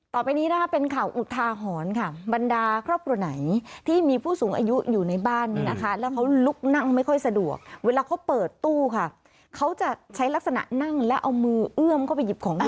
ต่อไปนี้นะคะเป็นข่าวอุทาหรณ์ค่ะบรรดาครอบครัวไหนที่มีผู้สูงอายุอยู่ในบ้านเนี่ยนะคะแล้วเขาลุกนั่งไม่ค่อยสะดวกเวลาเขาเปิดตู้ค่ะเขาจะใช้ลักษณะนั่งแล้วเอามือเอื้อมเข้าไปหยิบของอาหาร